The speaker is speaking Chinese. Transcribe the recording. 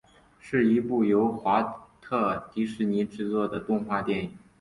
是一部由华特迪士尼制作的动画电影。